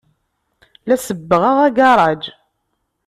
La sebbɣeɣ agaṛaj.